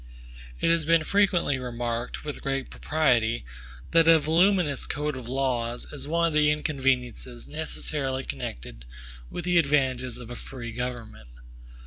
It has been frequently remarked, with great propriety, that a voluminous code of laws is one of the inconveniences necessarily connected with the advantages of a free government.